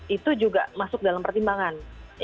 itu juga masuk dalam pertimbangan